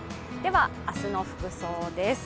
明日の服装です。